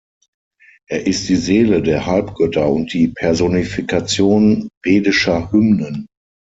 Er ist die Seele der Halbgötter und die Personifikation vedischer Hymnen.